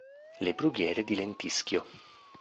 Le brughiere di lentischio.